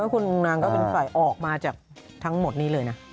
คุณนางก็เป็นฝ่ายออกมาจากทั้งหมดนี้เลยนะ